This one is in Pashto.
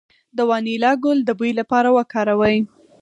د وانیلا ګل د بوی لپاره وکاروئ